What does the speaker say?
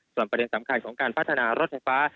ส่วนประเด็นสำคัญของการพัฒนารถไฟฟ้า